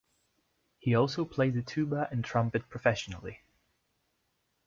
He also played the tuba and trumpet professionally.